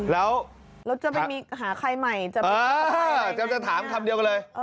แล้วแล้วจะไปมีหาใครใหม่เออจะถามคำเดียวกันเลยเออ